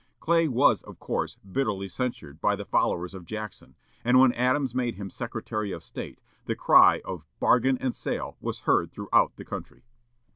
Clay was, of course, bitterly censured by the followers of Jackson, and when Adams made him Secretary of State the cry of "bargain and sale" was heard throughout the country.